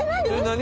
何？